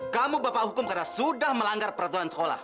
kamu bapak hukum karena sudah melanggar peraturan sekolah